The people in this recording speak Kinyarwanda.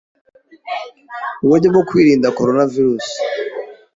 Uburyo bwo kwirinda corona virus